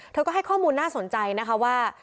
เธอก็ให้ข้อมูลน่าสนใจนะคะว่า